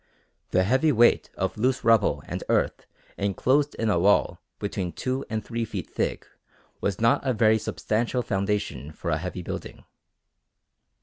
The heavy weight of loose rubble and earth enclosed in a wall between two and three feet thick was not a very substantial foundation for a heavy building.